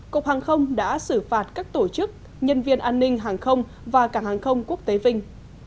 cục hàng không đã xử phạt các tổ chức nhân viên an ninh hàng không và cảng hàng không quốc tế vinh